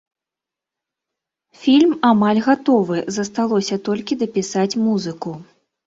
Фільм амаль гатовы, засталося толькі дапісаць музыку.